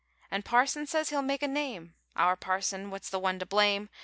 An' Parson, says he'll make a name (Our Parson, what's the one to blame!)